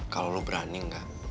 kalau lo berani nggak